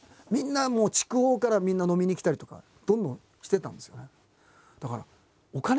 みんなもう筑豊からみんな飲みに来たりとかどんどんしてたんですよね。